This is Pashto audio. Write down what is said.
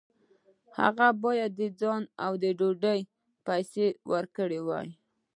هغه باید د ځای او ډوډۍ پیسې ورکړې وای.